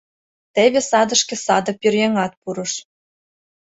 Теве садышке саде пӧръеҥат пурыш.